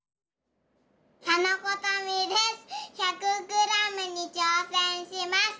１００グラムにちょうせんします。